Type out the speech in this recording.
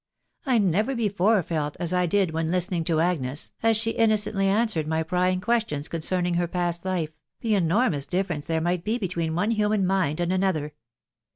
I never before felt, as I did when listening to Agnes as she innocently answered my prying questions concerning her past life, the enormous difference there might be between one human mind and another.